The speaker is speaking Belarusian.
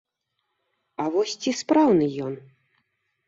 А вось ці спраўны ён?